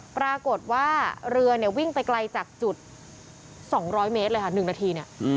ปรากฏว่าเรือเนี่ยวิ่งไปไกลจากจุด๒๐๐เมตรเลยค่ะ๑นาทีเนี่ย